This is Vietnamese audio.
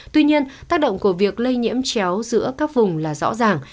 tuy nhiên tác động của việc lây nhiễm chéo giữa các vùng là rõ ràng